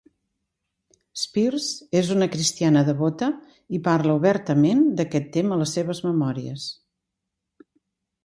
Spears és una cristiana devota i parla obertament d'aquest tema a les seves memòries.